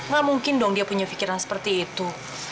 gak mungkin dong dia punya pikiran seperti itu